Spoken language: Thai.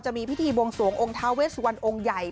จะมีพิธีบวงสวงองค์ทาเวสสวรรค์องค์ใหญ่